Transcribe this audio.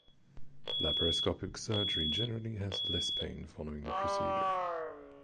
Laparoscopic surgery generally has less pain following the procedure.